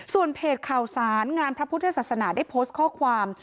ส่วนเพจข่าวสารงานพระพุทธศาสนาได้โพสต์ข้อความ